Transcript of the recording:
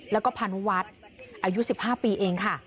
แล้วก็พันวัตรอายุสิบห้าปีเองค่ะ